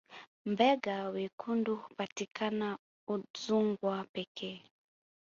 mbega wekundu hupatikana udzungwa pekee